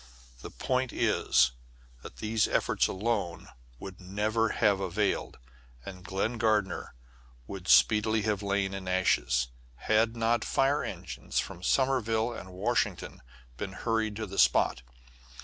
The point is that these efforts alone would never have availed, and Glen Gardner would speedily have lain in ashes, had not fire engines from Sommerville and Washington been hurried to the spot.